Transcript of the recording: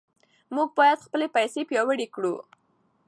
موږ باید خپلې پیسې پیاوړې کړو.